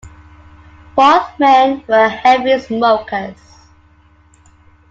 Both men were heavy smokers.